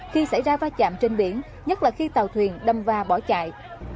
khi xảy ra va chạm trên biển nhất là khi tàu thuyền đâm va bỏ chạy